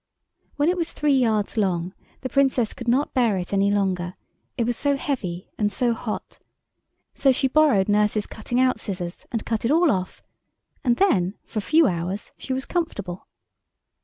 When it was three yards long the Princess could not bear it any longer—it was so heavy and so hot—so she borrowed nurse's cutting out scissors and cut it all off, and then for a few hours she was comfortable.